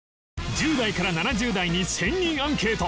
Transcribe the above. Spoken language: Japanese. １０代から７０代に１０００人アンケート